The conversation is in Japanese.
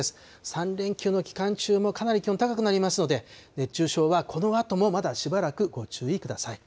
３連休の期間中もかなり気温高くなりますので、熱中症はこのあともまだしばらくご注意ください。